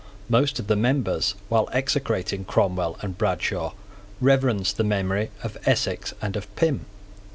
Most of the members, while execrating Cromwell and Bradshaw, reverenced the memory of Essex and of Pym.